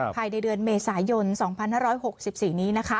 ภายในเดือนเมษายน๒๕๖๔นี้นะคะ